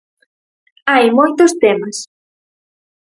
Hai moitos temas.